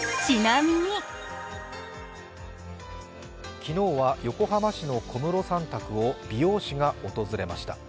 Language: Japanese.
昨日は横浜市の小室さん宅を美容師が訪れました。